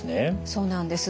そうなんです。